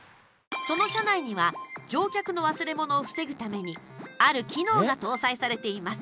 その車内には乗客の忘れ物を防ぐためにある機能が搭載されています。